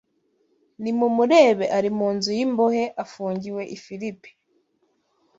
Nimumurebe ari mu nzu y’imbohe, afungiwe i Filipi